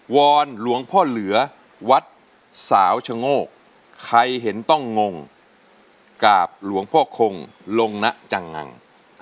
อนหลวงพ่อเหลือวัดสาวชะโงกใครเห็นต้องงงกับหลวงพ่อคงลงนะจังงัง